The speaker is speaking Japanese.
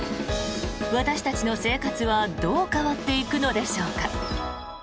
私たちの生活はどう変わっていくのでしょうか。